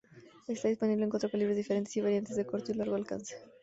Está disponible en cuatro calibres diferentes y variantes de corto y largo alcance.